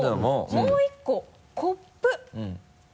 もう１個コップに。